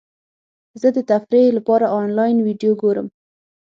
زه د تفریح لپاره انلاین ویډیو ګورم.